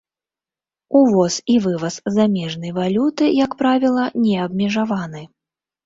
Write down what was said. Увоз і вываз замежнай валюты, як правіла, не абмежаваны.